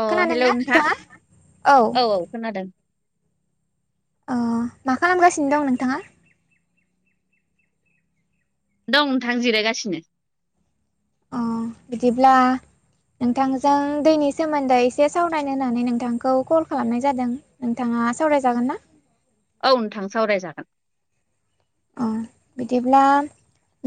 अ hello खोनादोंना नोंथां नोंथाङा? औ औ खोनादों ओ मा खालामगासिनो दं नोंथांङा दं नोंथां जिरायगासिनो अ बिदिब्ला नोंथांजों दैनि सोमोन्दै एसे सावरायनो होननानै नोंथांखौ कल खालामनाय जादों । नोंथांङा सावराय जागोन ना औ नोंथां सावरायजागोन अ बिदिब्ला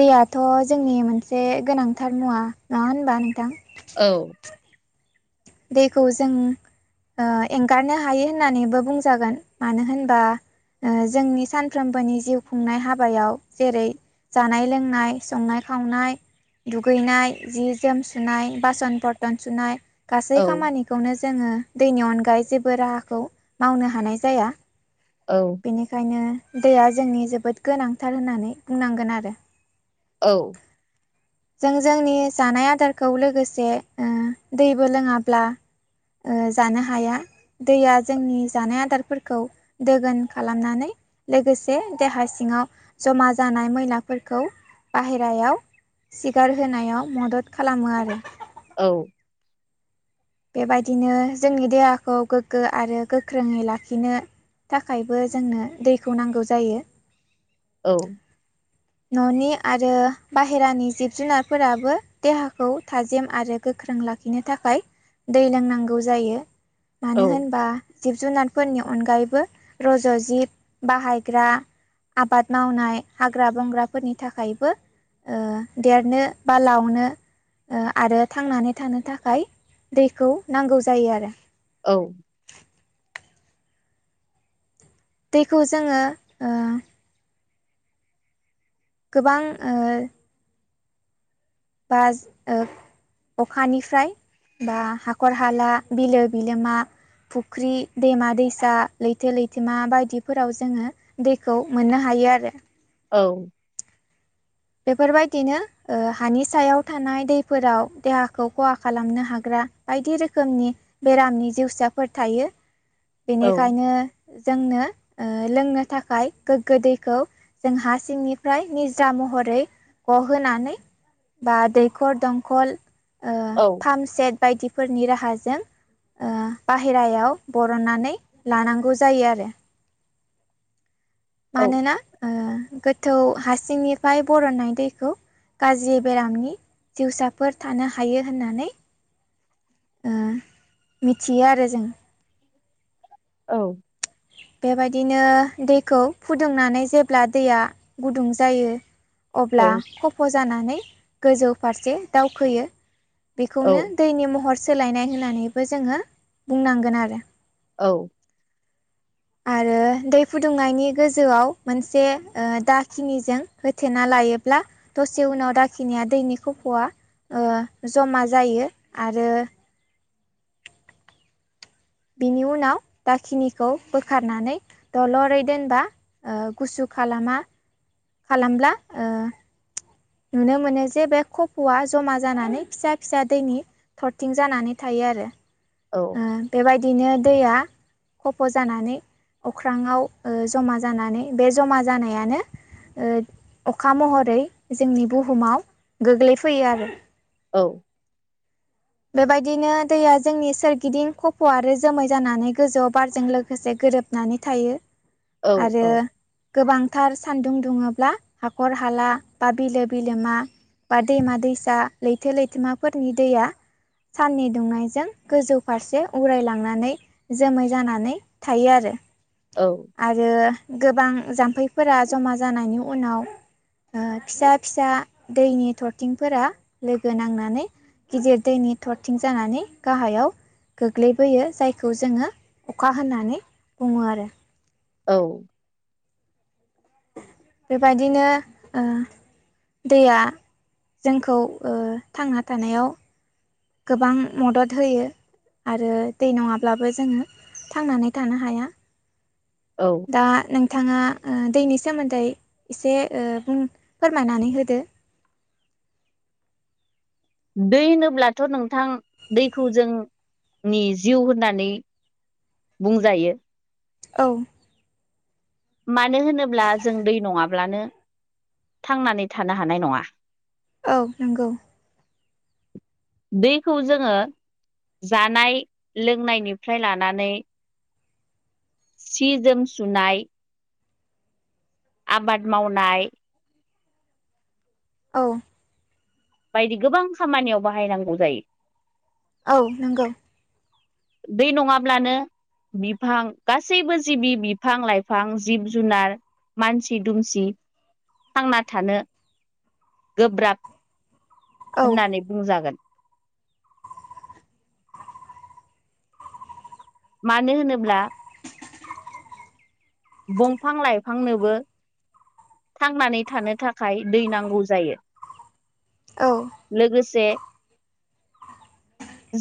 दैयाथ' जोंनि मोनसे गोनांथार मुवा नंङा होनबा नोंथां औ दैखौ जों एंगारनो हायो होननानैबो बुंजागोन मानो होनबा जोंनि सानफ्रोमबोनि जिउ खुंनाय हाबायाव जेरै जानाय लोंनाय संनाय खाव खावनाय दुगैनाय जि - जोम सुनाय बासन बरतन सुनाय गासै औ खामानिखौनो जोंङो दैनि अनगायै जेबो राहाखौ मावनो हानाय जाया । औ बेनिखायनो दैया जोंनि जोबोद गोनांथार होननानै बुंनांगोन आरो औ जों जोंनि जानाय आदारखौ लोगोसे दैबो लोङांब्ला जानो हाया दैया जोंनि जानाय आदारफोरखौ दोगोन खालामनानै लोगोसे देहा सिङांव जमा जानाय मैलाफोरखौ बाहेरायाव सिगार होनोनायाव मदद खालामो आरो औ बेबायदिनो जोंनि देहाखौ गोगो आरो गोख्रोङै लाखिनो थाखायबो जोंनो दैखौ नांगौ जायो । औ न'नि आरो बाहेरानि जिब जुनारफोराबो देहाखौ थाजिम आरो गोगो गोख्रों लाखिनो थाखाय दै लोंनांगौ जायो औ मानो होनबा जिब जुनारफोरनि अनगायैबो रज' जिब बाहायग्रा आबाद मावनाय हाग्रा बंग्राफोरनि थाखायबो देरनो बा लावनो आरो थांनानै थानो थाखाय दैखौ नांगौ जायो आरो औ दैखौ जोङो गोबां ओ बा अखानिफ्राय बा हाखर हाला बिलो बिलोमा फुख्रि दैमा दैसा लैथो लैथोमा बायदिफोराव जोङो दैखौ मोननो हा यो आरो औ बेफोरबायदिनो हानि सायाव थानाय दैफोराव देहाखौ खहा खालामनो हाग्रा बायदि रोखोमनि बेरामनि जिउसायाफोर थायो औ बेनिखायनो जोंनो लोंनो थाखाय गोग्गो दैखौ जों हा सिंनिफ्राय निज महरै ग होनानै बा दैखर दंखल पाम्प सेट बायदिफोरनि राहाजों बाहेरायाव बरननानै लानांगौ जायो आरो औ मानोना गोथौ हारसिंनिफ्राय बरननाय दैखौ गाज्रि बेरामनि जिउसाफोर थानो हायो होननानै ओ मिथियो आरो जों औ बेबायदिनो दैखौ फुदुंनानै जेब्ला दैया गुदुं जायो। अब्ला खफ' जानानै गोजौ फारसे दावखोयो बेखौनो दैनि महर सोलायनाय होननानैबो जोङो बुंनांगोन आरो औ आरो दै फुदुंनायनि गोजौआव मोनसे दाखिनिजों होथेना ला लायोब्ला दसे उनाव दाखिनाया दैनि खफ'आ ओ जमा जायो आरो बिनि उनाव दाखिनिखौ बोखारनानै दलरै दोनबा गुसु खालामा खालामब्ला ओ नुनो मोनो जे बे खफ'आ जमा जानानै फिसा फिसा दैनि थरथिं जानानै थायो। आरो बेबायदिनो दैया खफ' जानानै अख्राङाव जमा जानानै बे जमा जानायानो अखा महरै जोंनि बुहुमाव गोग्लैफैयो आरो औ बेबायदिनो दैया जोंनि सोरगिदिं खफ' आरो जोमै जानानै गोजौआव बारजों लोगोसे गोरोबनानै थायो। आरो औ गोबांथार सान्दुं दुङोब्ला हाखर हाला बा बिलो बिलोमा बा दैमा दैसा लैथो लैथोमाफोरनि दैया साननि दुंनायजों गोजौ फारसे उरायलांनानै जोमै जानानै थायो आरो आरो गोबां जाम्फैफोरा जमा जानायनि उनाव फिसा फिसा दैनि थरथिंफोरा लोगो नांनानै गिदिर दैनि थरथिं जानानै गाहायाव गोग्लैबोयो जायखौ जोङो अखा होननानै बुङो आरो औ बेबायदिनो ओ दैया जोंखौ थांना थानायाव गोबां मदद होयो। आरो दै नङाब्लाबो जोङो थांनानै थानो हाया। दा नोंथाङा ओ दैनि सोमोन्दै एसे बुं ओ फोरमायनानै होदो। दै होनोब्लाथ' नोंथां दैखौ जों नि जिउ होननानै बुंजायो। औ मानो होनोब्ला जों दै नङाब्लानो थांनानै थानो हानाय नङा। औ नंगौ। दैखौ जोङो जानाय लोंनायनिफ्राय लानानै सि जोम सुनाय आबाद मावनाय औ बायदि गोबां खामानियाव बाहायनांगौ जायो। औ नंगौ। दै नङाब्लानो बिफां गासैबो जिबि बिफां लाइफां जिब जुनार मानसि दुमसि थांना थानो गोब्राब औ होननानै बुंजागोन। मानो होनोब्ला बंफां लाइफांनोबो थांनानै थानो थाखाय दै नांगौ जायो। औ लोगोसे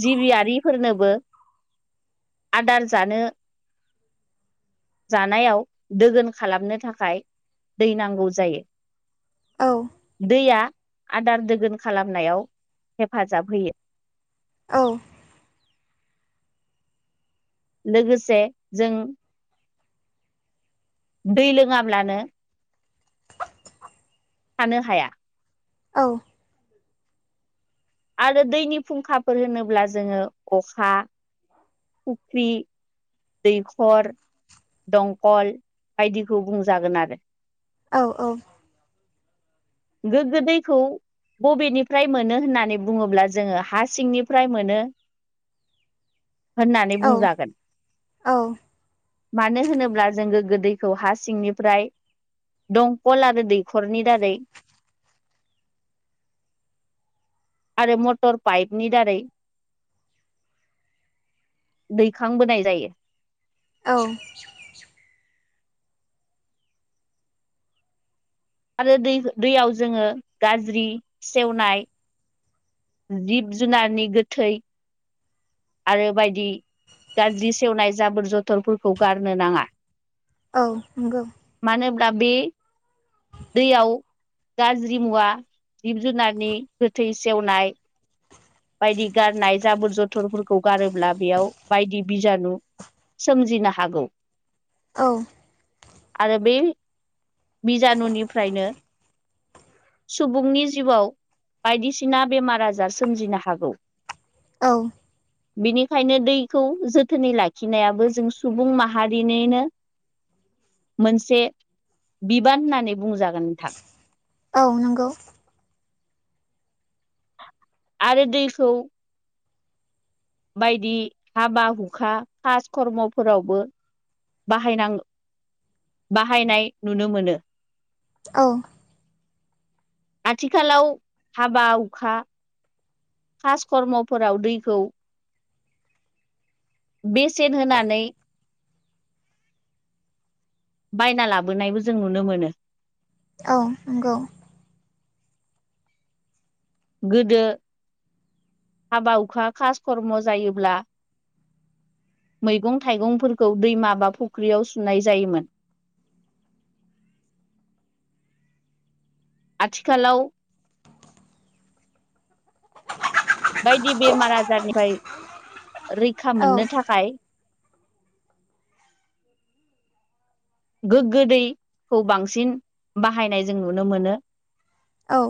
जिबियारिफोरनोबो आदार जानो जा नायाव दोगोन खालामनो थाखाय दै नांगौ जायो। औ दैया आदार दोगोन खालामनायाव हेफाजाब होयो। औ लोगोसे जों दै लोङाब्लानो थानो हाया। औ आरो दैनि फुंखाफोर होनोब्ला जोङो अखा फुख्रि दैखर दंखल बायदिखौ बुंजागोन आरो। औ औ गोग्गो दैखौ बबेनिफ्राय मोनो होननानै बुङोब्ला जोङो हा सिंनिफ्राय मोनो। होननानै औ बुंजागोन। औ मानो होनोब्ला जों गोग्गो दैखौ हा सिंनिफ्राय दंखल आरो दैखरनि दारै आरो मटर पाइपनि दारै दैखांबोनाय जायो। औ। आरो दै-दैयाव जोङो गाज्रि सेवनाय जिब जुनारनि गोथै आरो बायदि गाज्रि सेवनाय जाबोर जथरफोरखौ गारनो नाङा औ नंगो दा बे दैयाव गाज्रि मुवा जिब जुनारनि गोथै सेवनाय बायदि गारनाय जाबोर जथरफोरखौ गारोब्ला बेयाव बायदि बिजानु सोमजिनो हागौ। औ आरो बे बिजानुनिफ्रायनो सुबुंनि जिउआव बायदिसिना बेमार आजार सोमजिनो हागौ औ बिनिखायनो दैखौ जोथोनै लाखिनायाबो जों सुबुं माहारिनिनो मोनसे बिबान होननानै बुंजागोन नोंथां औ नंगौ। आरो दैखौ बायदि हाबा हुखा कास खर्म'फोरावबो बाहायनां बाहायनाय नुनो मोनो औ आथिखालाव हाबा हुखा खासकर्मफोराव दैखौ बेसेन होनानै बायना लाबोनायबो जों नुनो मोनो। औ नंगौ गोदो हाबा हुखा खास खर्म' जायोब्ला मैगं थाइगंफोरखौ दैमा बा फुख्रियाव सुनाय जायोमोन [inaudible] आथिखालाव बायदि बेमार आजारनिफ्राय रैखा औ औ मोननो थाखाय गोग्गो दैखौ बांसिन बाहायनाय जों नुनो मोनो औ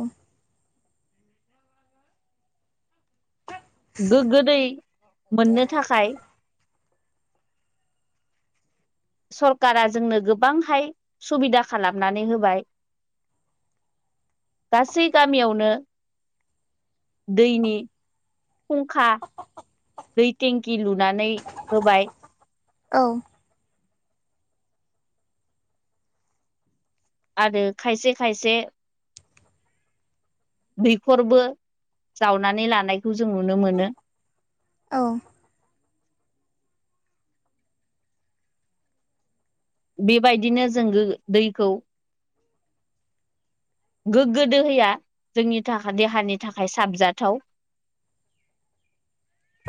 गोग्गो दै मोननो थाखाय सरकारा जोंनो गोबांहाय सुबिदा खालामनानै होबाय गासै गामियावनो दैनि फुंखा दै टेंकि लुनानै होबाय। औ आरो खायसे खायसे दैखरबो जावनानै लानायखौ जों नुनो मोनो। औ बेबायदिनो जों दैखौ गोग्गो दोहैया जोंनि थाखाय देहानि थाखाय साबजाथाव [inaudible]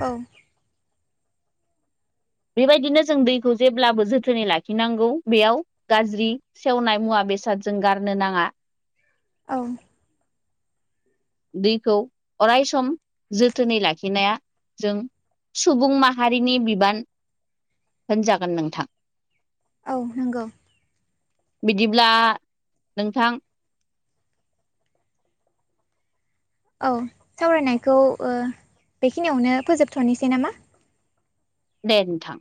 औ बेबायदिनो जों दैखौ जेब्लाबो जोथोनै लाखिनांगौ बेयाव गाज्रि सेवनाय मुवा बेसादजों गारनो नाङा औ दैखौ अराय सम जोथोनै लाखिनाया जों सुबुं माहारिनि बिबान होनजागोन नोंथां। औ नंगौ बिदिब्ला नोंथां औ सावरायनायखौ ओ बेखिनियावनो फोजोबथ'नोसै नामा दे नोंथां।